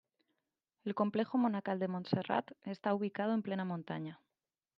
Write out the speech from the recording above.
El complejo monacal de Montserrat está ubicado en plena montaña.